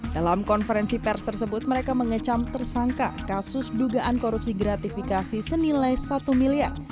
dalam konferensi pers tersebut mereka mengecam tersangka kasus dugaan korupsi gratifikasi senilai satu miliar